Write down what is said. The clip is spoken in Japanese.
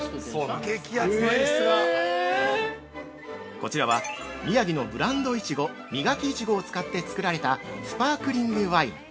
◆こちらは宮城のブランド苺「ミガキイチゴ」を使って造られたスパークリングワイン。